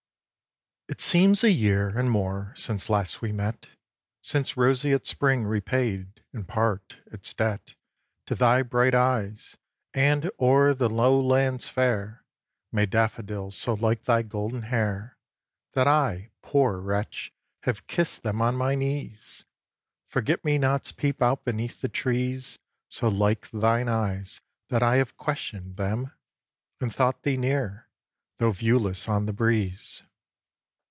It seems a year, and more, since last we met, Since roseate spring repaid, in part, its debt To thy bright eyes, and o'er the lowlands fair Made daffodils so like thy golden hair That I, poor wretch, have kiss'd them on my knees! Forget Me Nots peep out beneath the trees So like thine eyes that I have question'd them, And thought thee near, though viewless on the breeze.